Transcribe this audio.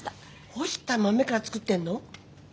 干した豆から作ってんの？